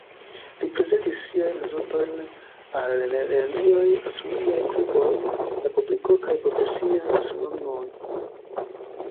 Li prezentis siajn rezultojn al lernejoj, astronomiaj kluboj, la publiko kaj profesiaj astronomoj.